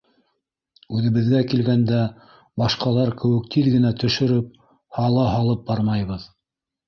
Үҙебеҙгә килгәндә, башҡалар кеүек тиҙ генә төшөрөп, һала һалып бармайбыҙ